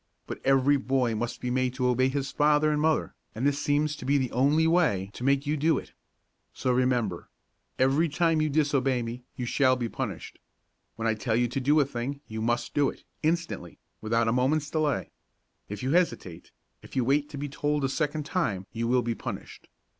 But, every boy must be made to obey his father and mother, and this seems to be the only way to make you do it. So remember! Every time you disobey me you shall be punished. When I tell you to do a thing, you must do it, instantly; without a moment's delay. If you hesitate, if you wait to be told a second time, you will be punished.